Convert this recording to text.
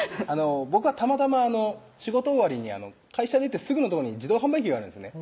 僕はたまたま仕事終わりに会社出てすぐのとこに自動販売機があるんですね